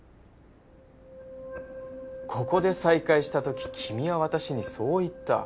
ここで再会したとき君は私にそう言った。